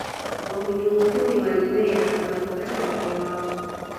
wahujumu uchumi walinywea walihofia uhai wao